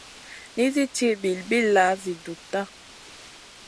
Nisi ci bilbilla zi dutta.